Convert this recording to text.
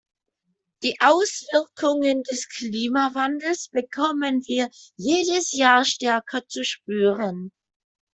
Die Auswirkungen des Klimawandels bekommen wir jedes Jahr stärker zu spüren.